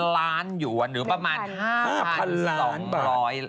๑๐๐๐ล้านอยู่หรือประมาณ๕๒๐๐ล้านบาท